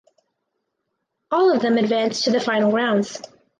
All of them advanced to the final rounds.